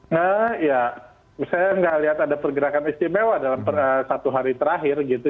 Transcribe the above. nah ya saya nggak lihat ada pergerakan istimewa dalam satu hari terakhir gitu